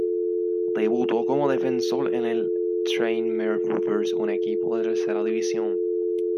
Debutó como defensor en el Tranmere Rovers, un equipo de tercera división.